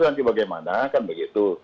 nanti bagaimana kan begitu